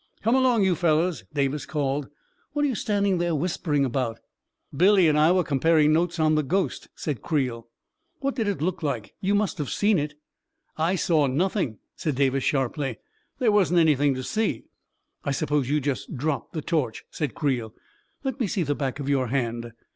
44 Come along, you fellows I " Davis called. "What are you standing there whispering about?" 44 Billy and I were comparing notes on the ghost," said Creel. 44 What did it look like — you must have seen it." 44 1 saw nothing," said Davis, sharply. 4< There wasn't anything to see." 44 1 suppose you just dropped the torch," said Creel. " Let me see the back of your hand."